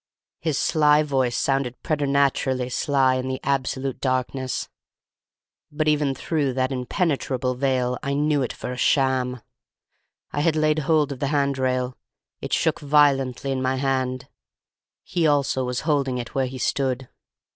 "His sly voice sounded preternaturally sly in the absolute darkness, but even through that impenetrable veil I knew it for a sham. I had laid hold of the hand rail. It shook violently in my hand; he also was holding it where he stood.